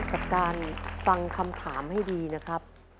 กับการฟังคำถามให้ดีนะครับ